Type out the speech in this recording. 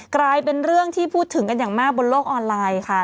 กลายเป็นเรื่องที่พูดถึงกันอย่างมากบนโลกออนไลน์ค่ะ